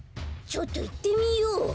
ちょっといってみよう。